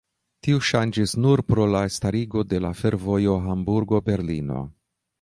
Tio ŝanĝis nur pro la starigo de la fervojo Hamburgo-Berlino.